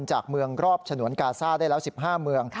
จากเมืองรอบฉนวนกาซ่าได้แล้ว๑๕เมือง